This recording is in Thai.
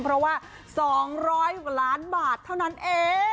เพราะว่า๒๐๐ล้านบาทเท่านั้นเอง